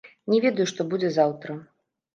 Не ведаю, што будзе заўтра.